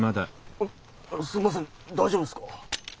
あすんません大丈夫ですか？